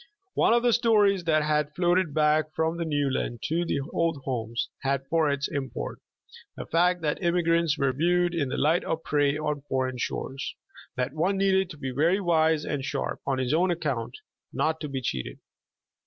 One of the stories that had floated ba^^k from the *'New Land" to the old homes, had for its import, the fact that immigrants were viewed in the light of prey on foreign shores, that one needed to be very wise and sharp on his own account, not to be cheated.